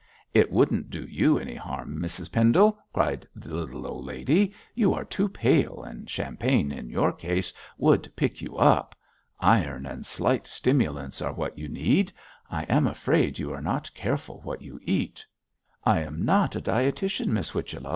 'It wouldn't do you any harm, Mrs Pendle,' cried the little old lady. 'You are too pale, and champagne, in your case, would pick you up. Iron and slight stimulants are what you need. I am afraid you are not careful what you eat.' 'I am not a dietitian, Miss Whichello.'